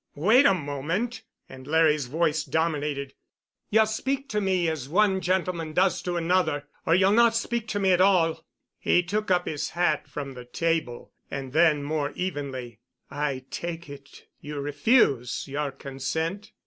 "Wait a moment!" and Larry's voice dominated. "You'll speak to me as one gentleman does to another—or you'll not speak to me at all." He took up his hat from the table, and then, more evenly, "I take it, you refuse your consent?"